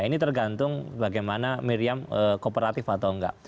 ini tergantung bagaimana miriam kooperatif atau enggak